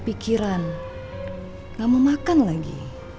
pikiran gak mau makan lagi